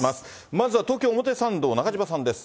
まずは東京・表参道、中島さんです。